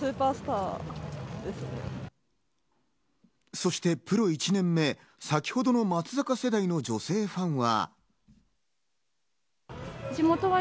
そしてプロ１年目、先ほどの松坂世代の女性ファンは。